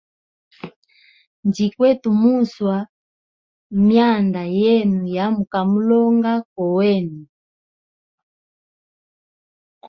Njkwete muswa ye myanda yemu ya muka mulonga koo wamuli.